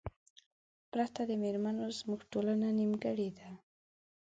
پرته د میرمنو زمونږ ټولنه نیمګړې ده